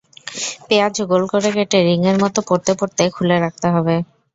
পেঁয়াজ গোল করে কেটে রিঙের মতো পরতে পরতে খুলে রাখতে হবে।